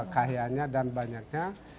kahyanya dan banyaknya